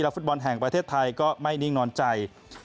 ฟุตบอลแห่งประเทศไทยก็ไม่นิ่งนอนใจ